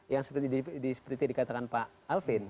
yang seperti dikatakan pak alvin